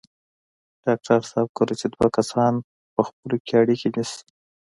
ډاکټر صاحب کله چې دوه کسان په خپلو کې اړيکې نیسي.